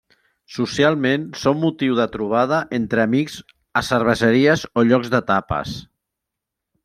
Socialment són motiu de trobada entre amics a cerveseries o llocs de tapes.